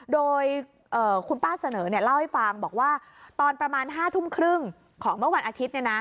โดยคุณป้าเสนอเล่าให้ฟังบอกว่าตอนประมาณ๕ทุ่มครึ่งของเมื่อวันอาทิตย์